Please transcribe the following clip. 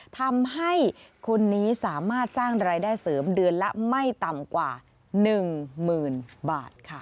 ทำให้คนนี้สามารถสร้างรายได้เสริมเดือนละไม่ต่ำกว่า๑หมื่นบาทค่ะ